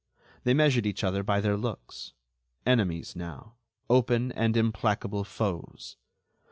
They measured each other by their looks, enemies now—open and implacable foes.